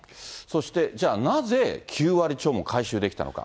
そして、じゃあなぜ、９割超も回収できたのか。